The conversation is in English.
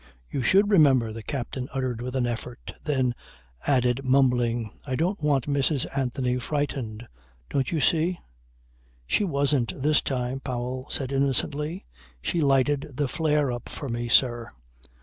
"You should remember," the captain uttered with an effort. Then added mumbling "I don't want Mrs. Anthony frightened. Don't you see? ..." "She wasn't this time," Powell said innocently: "She lighted the flare up for me, sir."